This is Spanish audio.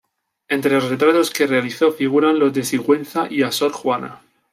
Entre los retratos que realizó figuran los de Sigüenza y a Sor Juana.